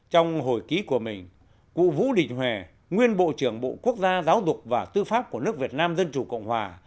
trong hồi ký của mình cụ vũ đình huệ nguyên bộ trưởng bộ quốc gia giáo dục và tư pháp của nước việt nam dân chủ cộng hòa